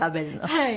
はい。